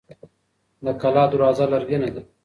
د کلا دروازه لرګینه ده.